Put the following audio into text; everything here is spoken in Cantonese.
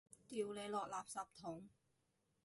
掉你落垃圾桶！